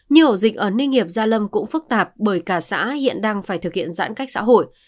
nhiều ổ dịch ở ninh nghiệp gia lâm cũng phức tạp bởi cả xã hiện đang phải thực hiện giãn cách xã hội